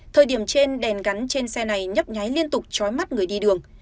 thời điểm trên đèn gắn trên xe này nhấp nhái liên tục trói mắt người đi đường